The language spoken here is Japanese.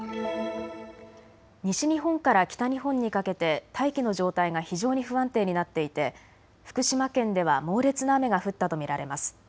西日本から北日本にかけて大気の状態が非常に不安定になっていて福島県では猛烈な雨が降ったと見られます。